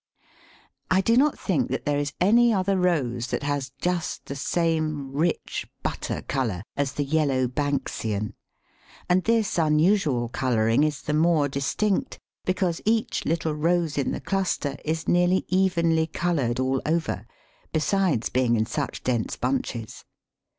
I do not think that there is any other Rose that has just the same rich butter colour as the Yellow Banksian, and this unusual colouring is the more distinct because each little Rose in the cluster is nearly evenly coloured all over, besides being in such dense bunches.